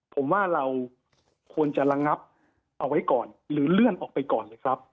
ผมว่าเราควรจะระงับเอาไว้ก่อนหรือเลื่อนออกไปก่อนเลยครับ